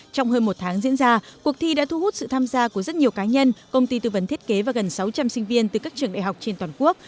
trong hơn một tháng diễn ra cuộc thi đã thu hút sự tham gia của rất nhiều cá nhân công ty tư vấn thiết kế và gần sáu trăm linh sinh viên từ các trường đại học trên toàn quốc